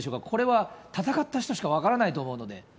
これは戦った人しか分からないと思うので。